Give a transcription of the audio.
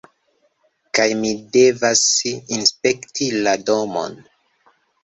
kaj mi devas inspekti la domon.